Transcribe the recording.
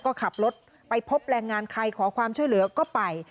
ก็ขับรถไปพบแรงงานใครขอความช่วยเหลือก็ไป